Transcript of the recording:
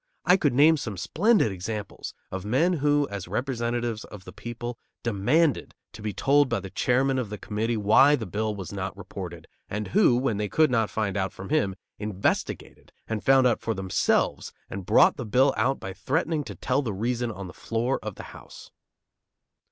I could name some splendid examples of men who, as representatives of the people, demanded to be told by the chairman of the committee why the bill was not reported, and who, when they could not find out from him, investigated and found out for themselves and brought the bill out by threatening to tell the reason on the floor of the House.